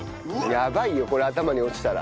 やばいよこれ頭に落ちたら。